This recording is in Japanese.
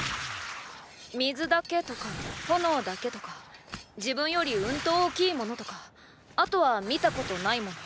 水だけとか炎だけとか自分よりうんと大きいものとかあとは見たことないもの。